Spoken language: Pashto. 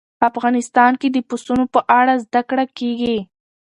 افغانستان کې د پسونو په اړه زده کړه کېږي.